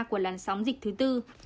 của làn sóng dịch thứ tư